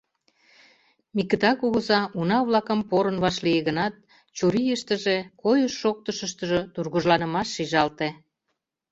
Микыта кугыза уна-влакым порын вашлие гынат, чурийыштыже, койыш-шоктышыштыжо тургыжланымаш шижалте.